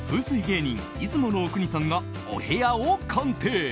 芸人、出雲阿国さんがお部屋を鑑定。